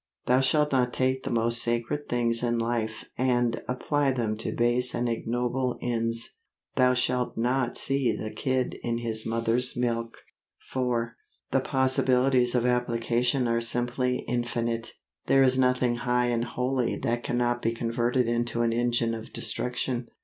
Thou shalt not take the most sacred things in life and apply them to base and ignoble ends. Thou shalt not seethe a kid in his mother's milk. IV The possibilities of application are simply infinite. There is nothing high and holy that cannot be converted into an engine of destruction.